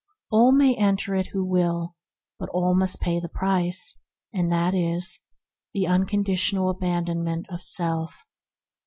All may enter it who will, but all must pay the price, and that is the unconditional abandonment of self.